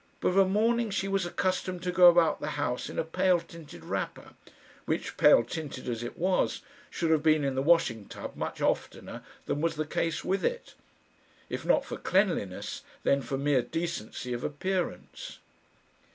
But of a morning she was accustomed to go about the house in a pale tinted wrapper, which, pale tinted as it was, should have been in the washing tub much oftener than was the case with it if not for cleanliness, then for mere decency of appearance.